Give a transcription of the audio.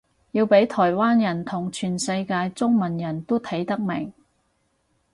要畀台灣人同全世界中文人都睇得明